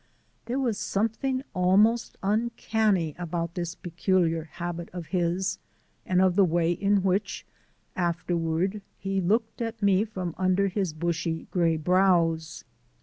There was something almost uncanny about this peculiar habit of his and of the way in which, afterward, he looked at me from under his bushy gray brows.